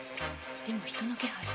でも人の気配は。